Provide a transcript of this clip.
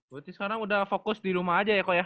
berarti sekarang udah fokus di rumah aja ya ko ya